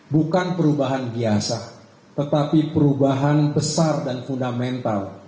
bukan perubahan biasa tetapi perubahan besar dan fundamental